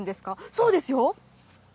そうですよ。